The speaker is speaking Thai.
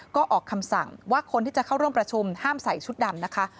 ก็ออกคำสั่งว่าคนที่จะเข้าร่วมประชุมห้ามใส่ชุดดำนะคะ